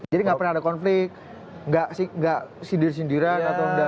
jadi nggak pernah ada konflik nggak sindir sindiran atau nggak